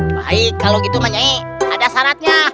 baik kalo gitu mah nyai ada syaratnya